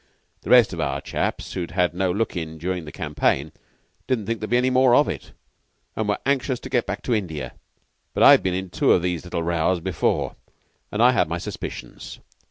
'Rest of our chaps who'd had no look in during the campaign didn't think there'd be any more of it, and were anxious to get back to India. But I'd been in two of these little rows before, and I had my suspicions.